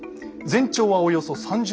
全長はおよそ３０ｍ。